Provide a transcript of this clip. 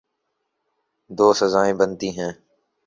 دو سزائیں بنتی ہیں۔